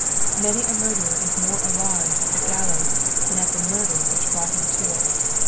Many a murderer is more alarmed at the gallows than at the murder which brought him to it.